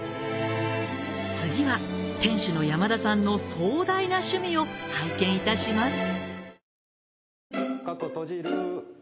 次は店主の山田さんの壮大な趣味を拝見いたします